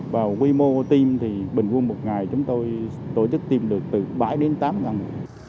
và quy mô tiêm thì bình quân một ngày chúng tôi tổ chức tiêm được từ bảy đến tám người